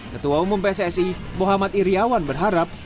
ketua umum pssi muhammad iryawan berharap